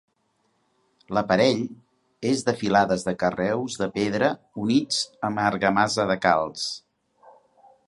L'aparell és de filades de carreus de pedra units amb argamassa de calç.